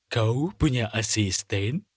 kau punya asisten